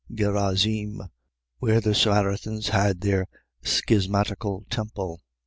. .Garizim, where the Samaritans had their schismatical temple.